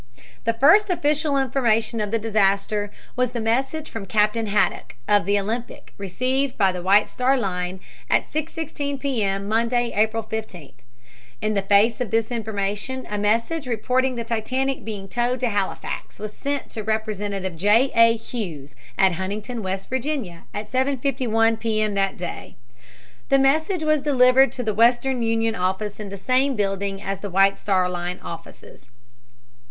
The first official information of the disaster was the message from Captain Haddock, of the Olympic, received by the White Star Line at 6.16 P. M., Monday, April 15. In the face of this information a message reporting the Titanic being towed to Halifax was sent to Representative J. A. Hughes, at Huntington, W. Va., at 7.51 P. M. that day. The message was delivered to the Western Union office in the same building as the White Star Line offices.